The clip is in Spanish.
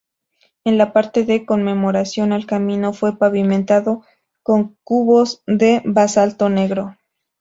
En la parte de conmemoración, el camino fue pavimentado con cubos de basalto negro.